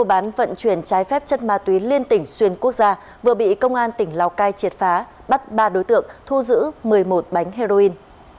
bán vận chuyển trái phép chất ma túy liên tỉnh xuyên quốc gia vừa bị công an tỉnh lào cai triệt phá bắt ba đối tượng thu giữ một mươi một bánh heroin